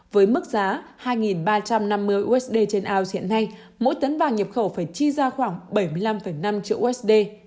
với mức giá hai ba trăm năm mươi usd trên ao hiện nay mỗi tấn vàng nhập khẩu phải chi ra khoảng bảy mươi năm năm triệu usd